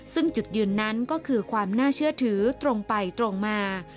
ซึ่งจุดยืนนั้นก็คือความน่าเชื่อถือตรงไปตรงมา